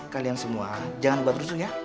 kalian semua jangan buat rusuh ya